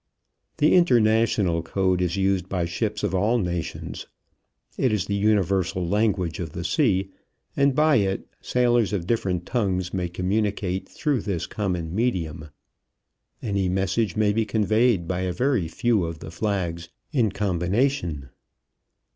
The international code is used by ships of all nations. It is the universal language of the sea, and by it sailors of different tongues may communicate through this common medium. Any message may be conveyed by a very few of the flags in combination.